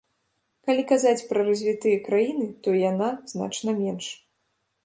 Калі казаць пра развітыя краіны, то яна значна менш.